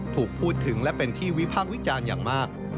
ถูกพูดถึงและเป็นที่วิพากษ์วิจารณ์อย่างมาก